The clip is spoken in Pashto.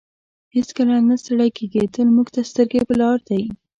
هېڅکله نه ستړی کیږي تل موږ ته سترګې په لار دی.